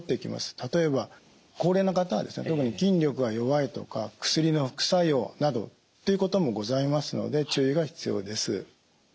例えば高齢の方は特に筋力が弱いとか薬の副作用などということもございますので注意が必要です。